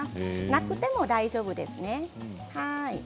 なくても大丈夫ですね。